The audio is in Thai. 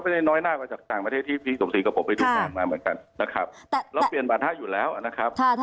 ในไทยก็เปลี่ยนนะครับ